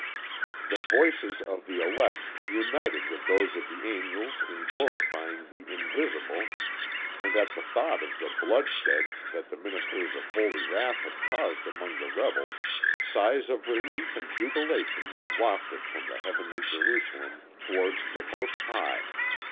The voices of the elect united with those of the angels in glorifying the Invisible and at the thought of the bloodshed that the ministers of holy wrath had caused among the rebels, sighs of relief and jubilation were wafted from the Heavenly Jerusalem towards the Most High.